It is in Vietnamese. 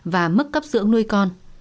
và mức cấp dưỡng nuôi con